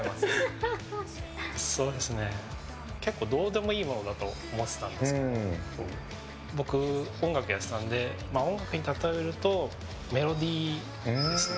結構どうでもいいものだと思ってたんですけど僕、音楽をやってたので音楽に例えるとメロディーですね。